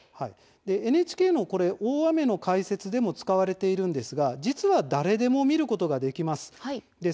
ＮＨＫの大雨の解説でも使われていますが、実は誰でも見ることができるサイトです。